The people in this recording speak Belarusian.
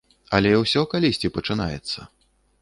Але ўсё калісьці пачынаецца.